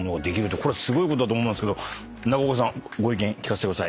これはすごいことだと思いますけど中岡さんご意見聞かせてください。